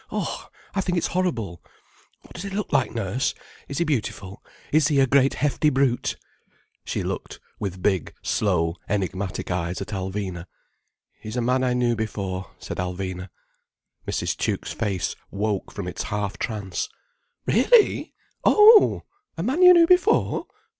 Oh, I think it's horrible. What does he look like, Nurse? Is he beautiful? Is he a great hefty brute?" She looked with big, slow, enigmatic eyes at Alvina. "He's a man I knew before," said Alvina. Mrs. Tuke's face woke from its half trance. "Really! Oh! A man you knew before!